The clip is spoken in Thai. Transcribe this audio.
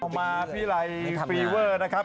เอามาพี่ไล่ฟีเวอร์นะครับ